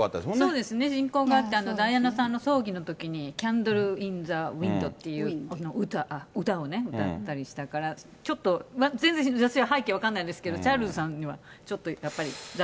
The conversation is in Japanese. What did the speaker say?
そうですね、親交があって、ダイアナさんの葬儀のときに、キャンドルインザっていう歌をね、歌ったりしたから、ちょっと、全然背景分かんないですけど、チャールズさんにはちょっとやっぱり。